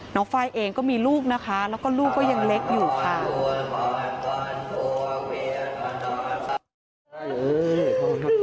ไฟล์เองก็มีลูกนะคะแล้วก็ลูกก็ยังเล็กอยู่ค่ะ